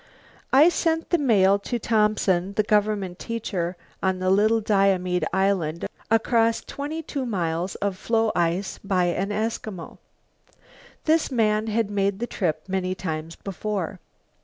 I sent the mail to Thompson, the government teacher on the Little Diomede Island, across 22 miles of floe ice by an Eskimo. This man had made the trip many times before.